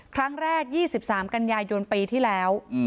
ครั้งแรก๒๓กันยายนปีที่แล้ว